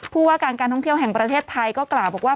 ผู้ว่าการการท่องเที่ยวแห่งประเทศไทยก็กล่าวบอกว่า